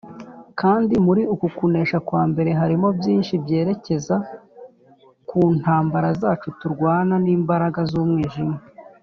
Kandi muri uku kunesha kwa mbere harimo byinshi byerekeza ku ntambara zacu turwana n’imbaraga y’umwijima.